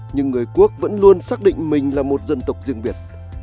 nhưng người quốc vẫn luôn xác định mình là một dân tộc riêng biệt